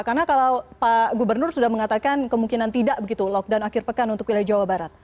karena kalau pak gubernur sudah mengatakan kemungkinan tidak begitu lockdown akhir pekan untuk wilayah jawa barat